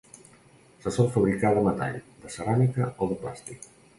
Se sol fabricar de metall, de ceràmica o de plàstic.